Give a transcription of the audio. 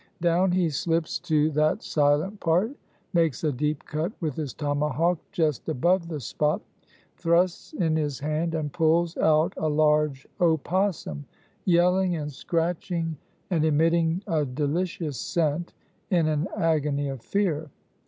Down he slips to that silent part, makes a deep cut with his tomahawk just above the spot, thrusts in his hand and pulls out a large opossum, yelling and scratching and emitting a delicious scent in an agony of fear.